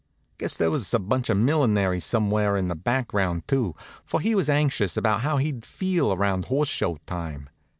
Guess there was a bunch of millinery somewhere in the background too, for he was anxious about how he'd feel around Horse Show time.